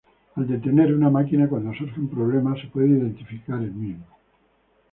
Al detener una máquina cuando surge un problema, se puede identificar el mismo.